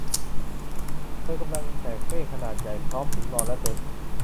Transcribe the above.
เธอกำลังแบกเป้ขนาดใหญ่พร้อมถุงนอนและเต็นท์